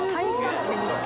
「すごいな」